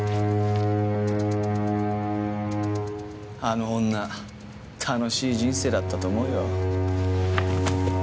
あの女楽しい人生だったと思うよ。